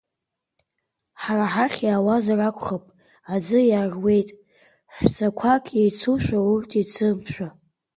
Ҳара ҳахь иаауазар акәхап, аӡы иааруеит, ҳәсақәак, еицушәа урҭ, еицымшәа.